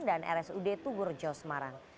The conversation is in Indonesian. dan rsud tugurejo semarang